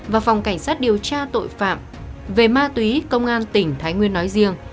và phòng cảnh sát điều tra tội phạm về ma túy công an tỉnh thái nguyên nói riêng